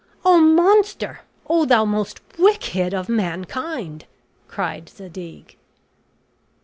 "O monster! O thou most wicked of mankind!" cried Zadig.